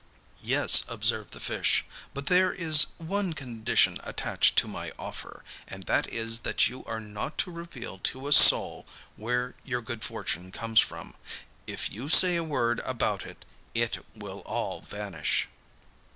'Yes,' observed the fish, 'but there is one condition attached to my offer, and that is that you are not to reveal to a soul where your good fortune comes from. If you say a word about it, it will all vanish.